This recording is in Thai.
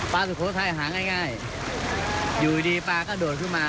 ปลาสุโขทัยหายง่ายจริง